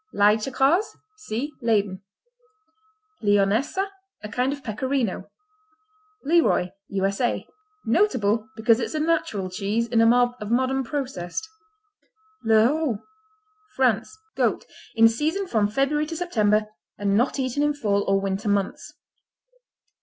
Leidsche Kaas see Leyden. Leonessa A kind of Pecorino. Leroy U.S.A. Notable because it's a natural cheese in a mob of modern processed. Lerroux France Goat; in season from February to September and not eaten in fall or winter months.